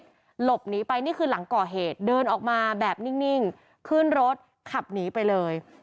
หลบหนีไปนี่คือหลังก่อเหตุเดินออกมาแบบนิ่งขึ้นรถขับหนีไปเลย